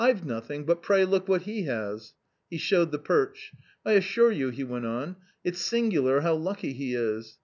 " I've nothing, but pray look what he has/' He showed the perch. " I assure you," he went on, u it's singular how lucky he is